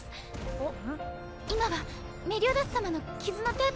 あっ。